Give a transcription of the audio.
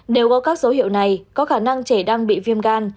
nếu có các dấu hiệu này có khả năng trẻ đang bị viêm gan